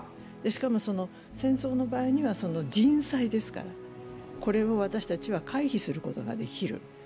しかも、戦争の場合には人災ですから、これを私たちは回避することができる。